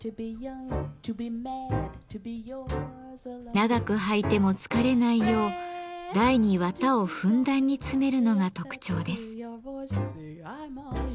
長く履いても疲れないよう台に綿をふんだんに詰めるのが特徴です。